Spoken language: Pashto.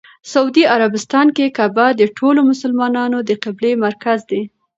سعودي عربستان کې کعبه د ټولو مسلمانانو د قبله مرکز دی.